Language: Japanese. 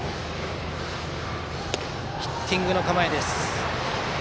ヒッティングの構え。